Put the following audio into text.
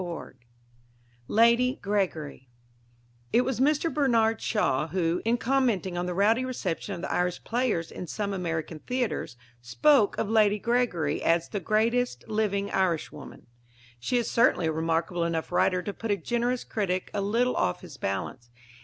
XX LADY GREGORY It was Mr. Bernard Shaw who, in commenting on the rowdy reception of the Irish players in some American theatres, spoke of Lady Gregory as "the greatest living Irishwoman." She is certainly a remarkable enough writer to put a generous critic a little off his balance.